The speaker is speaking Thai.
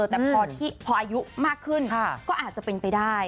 แต่พออายุมากขึ้นก็อาจจะเป็นไปได้